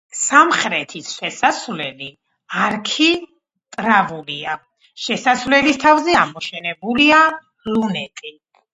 სამხრეთის შესასვლელი არქიტრავულია, შესასვლელის თავზე ამოშენებულია ლუნეტი.